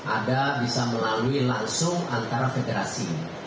ada bisa melalui langsung antara federasi